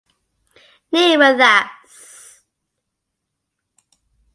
Kneel with us!